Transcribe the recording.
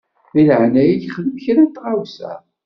Di leɛnaya-k xdem kra n tɣawsa.